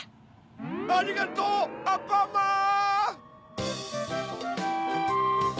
ありがとうアンパンマン！